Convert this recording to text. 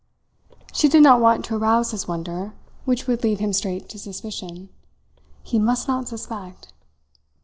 She did not want to arouse his wonder, which would lead him straight to suspicion. He must not suspect!